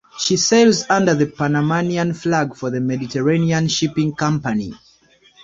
She sails under the Panamanian flag for the Mediterranean Shipping Company.